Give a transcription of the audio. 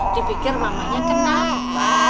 dia pikir mamanya kenapa